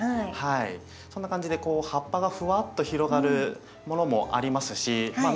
そんな感じでこう葉っぱがふわっと広がるものもありますしま